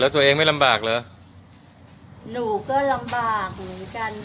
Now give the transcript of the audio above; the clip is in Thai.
ตัวเองไม่ลำบากเหรอหนูก็ลำบากเหมือนกัน